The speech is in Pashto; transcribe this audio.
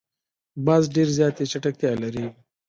باز ډېر زیاتې چټکتیا لري